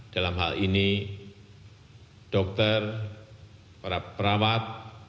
dalam hal ini dokter para perawat